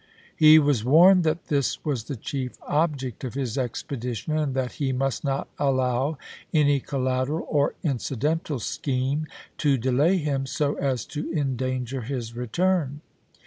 He was warned that this was the chief object of his expedition, and that he must not allow any collateral or incidental scheme to delay him so as to endanger his return.